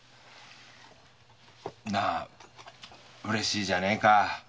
うれしいじゃねえか。